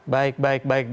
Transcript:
baik baik baik